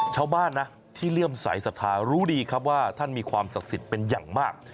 ชาวบ้านนะที่เลื่อมสายศรัทธารู้ดีครับว่าท่านมีความศักดิ์สิทธิ์เป็นอย่างมาก